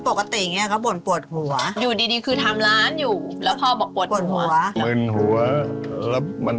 อืมอืมอืมอืมอืมอืมอืมอืมอืมอืมอืม